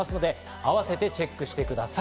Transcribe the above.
あわせてチェックしてください。